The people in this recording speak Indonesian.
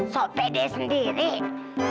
soal pd sendiri